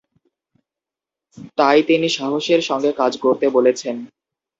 তাই তিনি সাহসের সঙ্গে কাজ করতে বলেছেন।